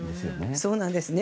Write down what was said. そうなんですね。